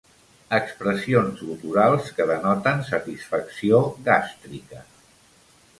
Expressions guturals que denoten satisfacció gàstrica.